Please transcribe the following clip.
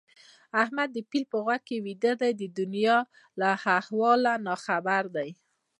احمد د پيل په غوږ کې ويده دی؛ د دونيا له احواله ناخبره دي.